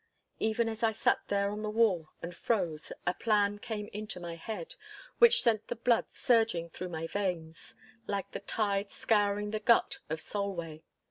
Even as I sat there on the wall and froze, a plan came into my head which sent the blood surging through my veins, like the tide scouring the gut of Solway.